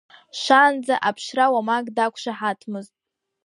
Шаанӡа аԥшра уамак дақәшаҳаҭмызт.